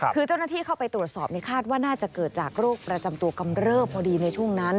คือเจ้าหน้าที่เข้าไปตรวจสอบคาดว่าน่าจะเกิดจากโรคประจำตัวกำเริบพอดีในช่วงนั้น